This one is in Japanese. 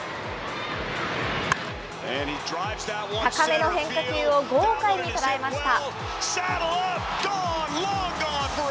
高めの変化球を豪快に捉えました。